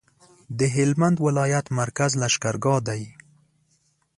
د هلمند ولایت مرکز لښکرګاه ده